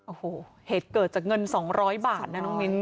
โอ้โหเหตุเกิดจากเงิน๒๐๐บาทนะน้องมิ้น